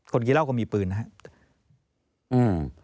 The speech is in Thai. กินเหล้าก็มีปืนนะครับ